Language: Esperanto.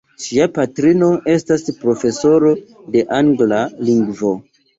Ŝia patrino estas profesoro de angla lingvo.